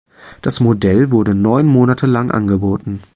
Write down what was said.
Das Modell wurde neun Monate lang angeboten.